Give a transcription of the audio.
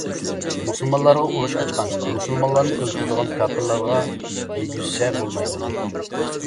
مۇسۇلمانلارغا ئۇرۇش ئاچقان، مۇسۇلمانلارنى ئۆلتۈرىدىغان كاپىرلارغا يېگۈزسە بولمايدۇ.